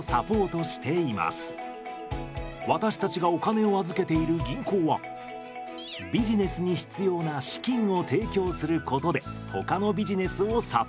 私たちがお金を預けている銀行はビジネスに必要な資金を提供することでほかのビジネスをサポート。